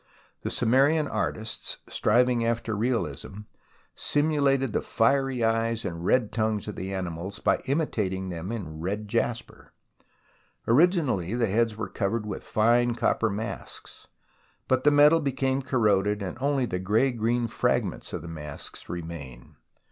The Sumerian artists, THE ROMANCE OF EXCAVATION 155 striving after realism, simulated the fiery eyes and red tongues of the animals by imitating them in red jasper. Originally the heads were covered with fine copper masks, but the metal became corroded and only the grey green fragments of the masks remain.